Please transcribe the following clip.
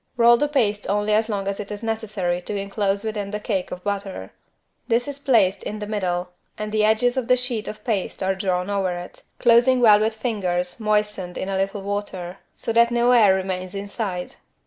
Roll the paste only as long as it is necessary to enclose within the cake of butter. This is placed in the middle and the edges of the sheet of paste are drawn over it, closing well with fingers moistened in a little water so that no air remains inside.